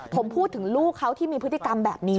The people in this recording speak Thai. ผมพูดถึงลูกเขาที่มีพฤติกรรมแบบนี้